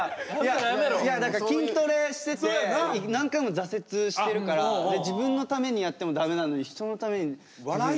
いや筋トレしてて何回も挫折してるから自分のためにやってもダメなのに人のためにって。